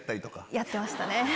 やってましたね。